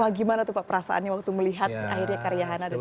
wah gimana tuh pak perasaannya waktu melihat akhirnya karyahan ada di sini